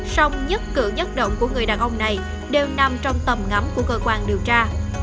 sông nhức cựu nhất động của người đàn ông này đều nằm trong tầm ngắm của cơ quan điều tra